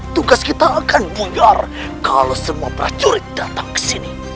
tugas kita akan bugar kalau semua prajurit datang ke sini